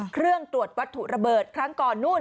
เครื่องตรวจวัตถุระเบิดครั้งก่อนนู่น